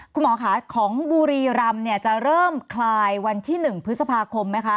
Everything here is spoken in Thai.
คุณหมอค่ะของบุรีรำจะเริ่มคลายวันที่๑พฤษภาคมไหมคะ